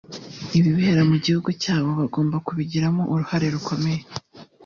Ibibera mu gihugu cyabo bagomba kubigiramo uruhare rukomeye